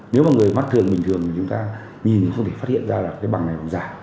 nếu mà người mắt thường bình thường thì chúng ta nhìn thì không thể phát hiện ra là cái bằng này là bằng giả